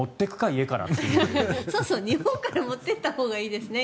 日本から持っていったほうがいいですね。